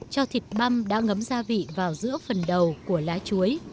cho thịt mâm đã ngấm gia vị vào giữa phần đầu của lá chuối